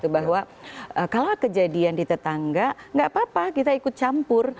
bahwa kalau kejadian di tetangga nggak apa apa kita ikut campur